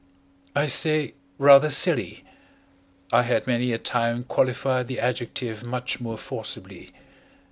I say "rather silly." I had many a time qualified the adjective much more forcibly.